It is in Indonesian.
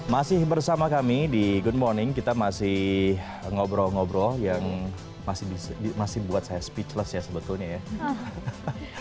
masih bersama kami di good morning kita masih ngobrol ngobrol yang masih buat saya speechless ya sebetulnya ya